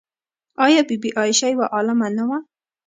آیا بی بي عایشه یوه عالمه نه وه؟